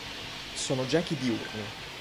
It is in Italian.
Sono gechi diurni.